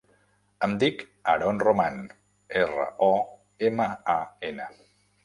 Em dic Aron Roman: erra, o, ema, a, ena.